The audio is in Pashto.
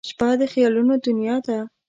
• شپه د خیالونو دنیا ده.